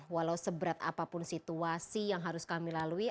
walau seberat apapun situasi yang harus kami lalui